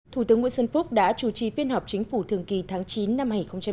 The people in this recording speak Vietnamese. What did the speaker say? thủ tướng nguyễn xuân phúc đã chủ trì phiên họp chính phủ thường kỳ tháng chín năm hai nghìn một mươi chín